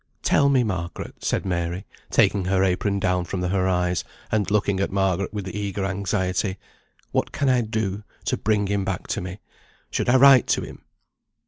"Tell me, Margaret," said Mary, taking her apron down from her eyes, and looking at Margaret with eager anxiety, "what can I do to bring him back to me? Should I write to him?"